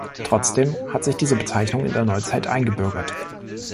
Trotzdem hat sich diese Bezeichnung in der Neuzeit eingebürgert.